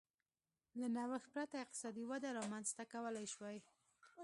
له نوښت پرته اقتصادي وده رامنځته کولای شوای.